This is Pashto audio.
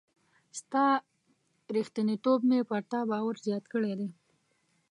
ستا ریښتینتوب مي پر تا باور زیات کړی دی.